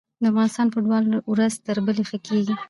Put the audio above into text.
د افغانستان فوټبال ورځ تر بلې ښه کیږي.